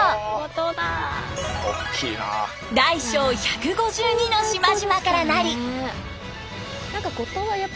大小１５２の島々からなり。